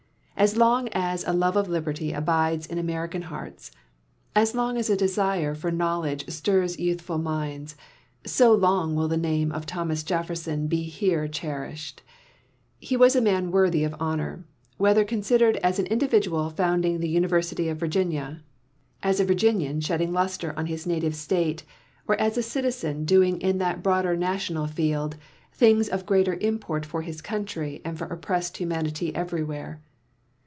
As long as a love of liberty abides in American hearts, as long as a <lesire for knowledge stirs youth ful minds, so long will the name of Thomas .lefh'rson he lu;re cherished. He was a man worthy of honor, whether consideiasl as an individual founding the University of Virginia, as a Vir 18 270 JEFFERSON A GEOGRAPHER ginian shedding luster on his native state, or as a citizen doing, in that broader national field things of greater import for his country and for oppressed humanity everywhere.